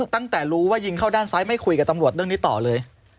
ตั้งแต่รู้ว่ายิงเข้าด้านซ้ายไม่คุยกับตำรวจเรื่องนี้ต่อเลย